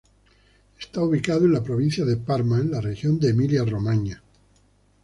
Está ubicado en la provincia de Parma en la región de Emilia-Romaña.